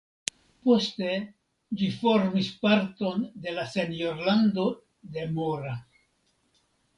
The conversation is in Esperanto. Poste ĝi formis parton de la senjorlando de Mora.